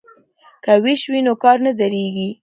که ویش وي نو کار نه درندیږي.